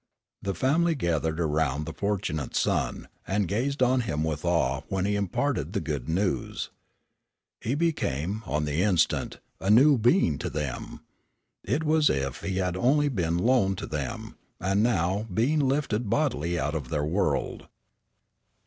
The family gathered around the fortunate son, and gazed on him with awe when he imparted the good news. He became, on the instant, a new being to them. It was as if he had only been loaned to them, and was now being lifted bodily out of their world.